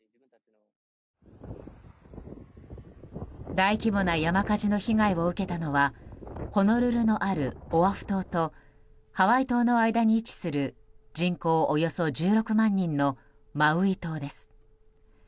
大規模な山火事の被害を受けたのはホノルルのあるオアフ島とハワイ島の間に位置する人口およそ１６万人のマウイ島です。